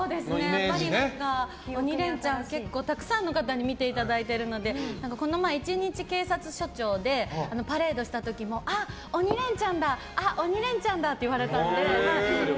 やっぱり「鬼レンチャン」結構たくさんの方に見ていただいてるのでこの前、１日警察署長でパレードした時もあ、「鬼レンチャン」だって言われたので。